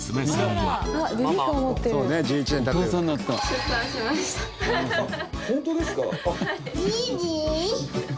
はい。